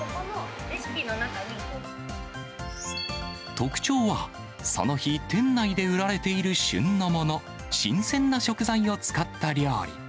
特徴は、その日、店内で売られている旬のもの、新鮮な食材を使った料理。